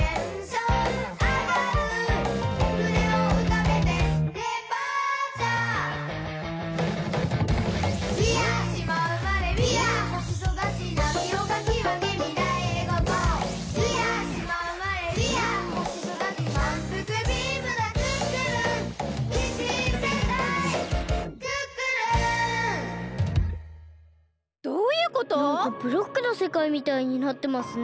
なんかブロックのせかいみたいになってますね。